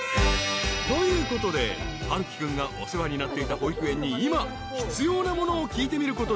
［ということでハルキ君がお世話になっていた保育園に今必要なものを聞いてみることに］